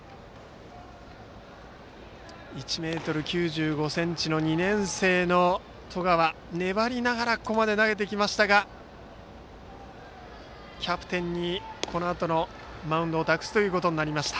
１ｍ９５ｃｍの２年生の十川粘りながらここまで投げてきましたがキャプテンにこのあとのマウンドを託すことになりました。